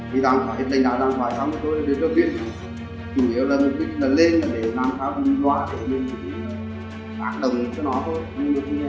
vì giam khóa tên đạo giam khóa xong rồi tôi đến trước viên chủ yếu là lần tích là lên để nám tháo đi loa để nên chỉ đúng đáng đồng cho nó thôi